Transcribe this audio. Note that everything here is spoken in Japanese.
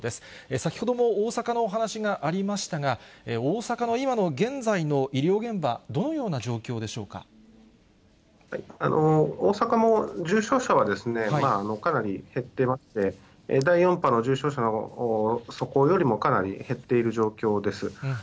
先ほども大阪のお話がありましたが、大阪の今の現在の医療現場、大阪も重症者はですね、かなり減ってまして、第４波の重症者の底よりもかなり減っている状況です。